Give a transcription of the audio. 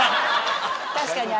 確かに。